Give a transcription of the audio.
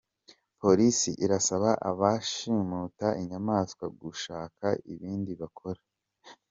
Polisi irasaba abashimuta inyamaswa gushaka ibindi bakora